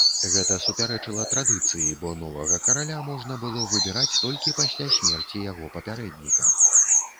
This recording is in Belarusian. Гэта супярэчыла традыцыі, бо новага караля можна было выбіраць толькі пасля смерці яго папярэдніка.